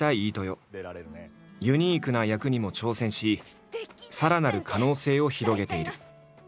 ユニークな役にも挑戦しさらなる可能性を広げている。